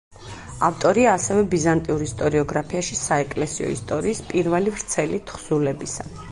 ავტორია ასევე ბიზანტიურ ისტორიოგრაფიაში „საეკლესიო ისტორიის“ პირველი ვრცელი თხზულებისა.